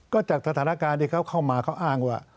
ก็จากสถานการณ์ที่เขาเข้ามาเขาอ้างว่า